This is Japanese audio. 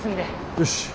よし。